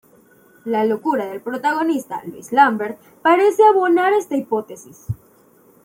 La locura del protagonista en "Louis Lambert" parece abonar esta hipótesis.